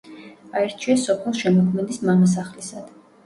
აირჩიეს სოფელ შემოქმედის მამასახლისად.